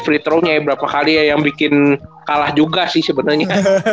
freetro nya ya berapa kali ya yang bikin kalah juga sih sebenarnya